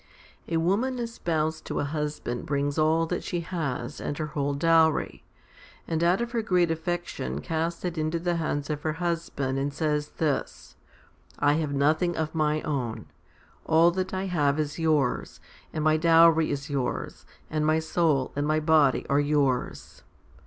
9. A woman espoused to a husband brings all that she has and her whole dowry, and out of her great affection casts it into the hands of her husband, and says this :" I have nothing of my own. All that I have is yours ; and my dowry is yours, and my soul and my body are yours."